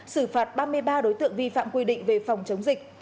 xử phạt ba mươi ba đối tượng vi phạm quy định về phòng chống dịch